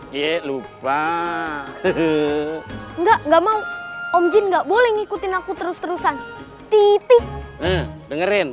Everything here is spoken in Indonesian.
ye lupa enggak enggak mau om jin nggak boleh ngikutin aku terus terusan titik dengerin